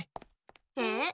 えっ？